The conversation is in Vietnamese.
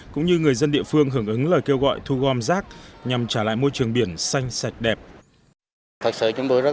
cũng như người dân địa phương hưởng ứng lời kêu gọi thu gom rác nhằm trả lại môi trường biển xanh sạch đẹp